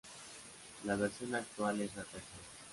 La versión actual es la tercera.